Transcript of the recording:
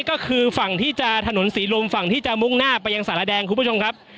ก็คือฝั่งที่จะถนนศรีลมฝั่งที่จะมุ่งหน้าไปยังสารแดงคุณผู้ชมครับ